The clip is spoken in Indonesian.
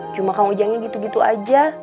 cuma kang ujangnya gitu gitu aja